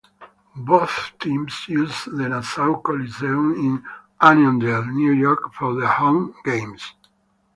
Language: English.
Both teams used the Nassau Coliseum in Uniondale, New York for their home games.